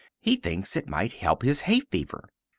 He thinks it might help his hay fever.